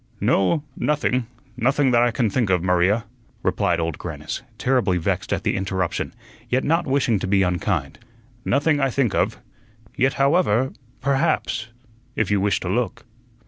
"No, nothing nothing that I can think of, Maria," replied Old Grannis, terribly vexed at the interruption, yet not wishing to be unkind. "Nothing I think of. Yet, however perhaps if you wish to look."